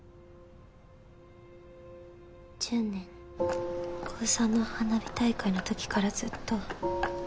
１０年高３の花火大会のときからずっと。